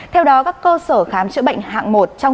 theo đó các cơ sở khám chữa bệnh hạng một